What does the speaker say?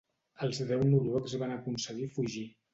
Els deu noruecs van aconseguir fugir.